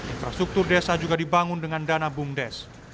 infrastruktur desa juga dibangun dengan dana bumdes